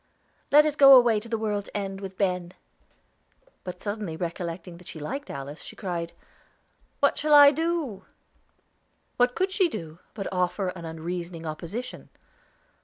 "Let us go away to the world's end with Ben." But suddenly recollecting that she liked Alice, she cried, "What shall I do?" What could she do, but offer an unreasoning opposition?